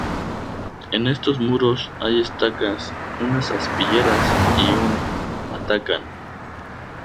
En estos muros hay estacas, unas aspilleras y un matacán.